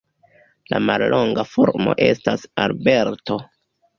La mallonga formo estas Alberto.